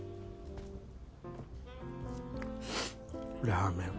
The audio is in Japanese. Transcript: ラーメン。